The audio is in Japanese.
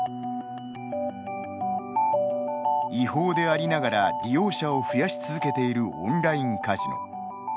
違法でありながら利用者を増やし続けているオンラインカジノ。